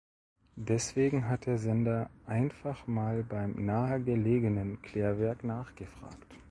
Deswegen hat der Sender einfach mal beim nahegelegenen Klärwerk nachgefragt.